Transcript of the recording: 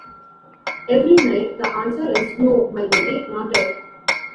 Every night the answer is, "No, my Lady, not yet."